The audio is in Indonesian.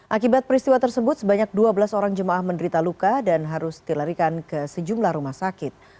akibat peristiwa tersebut sebanyak dua belas orang jemaah menderita luka dan harus dilarikan ke sejumlah rumah sakit